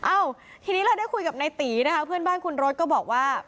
เอ้าทีนี้เราได้คุยกับนายตีนะคะเพื่อนบ้านคุณรถก็บอกว่า